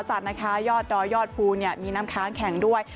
จากยอดด้อยยอดภูมิมีน้ำคางแข็งด้วย